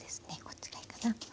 こっちがいいかな。